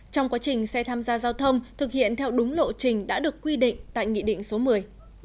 trong quá trình xe tham gia giao thông thực hiện theo đúng lộ trình đã được quy định tại nghị định số một mươi